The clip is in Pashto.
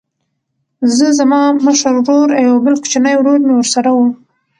زه زما مشر ورور او یو بل کوچنی ورور مې ورسره و